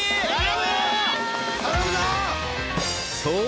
［そう！